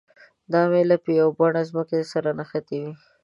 دا میله په یوه بڼه ځمکې سره نښتې وي.